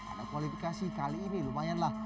ada kualifikasi kali ini lumayanlah